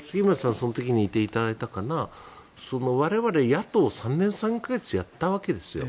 その時にいていただいたかな我々、野党を３年３か月やったわけですよ。